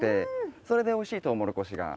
それでおいしいトウモロコシが。